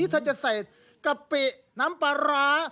ถ้าจะใส่กะเปี๊น้ำปรา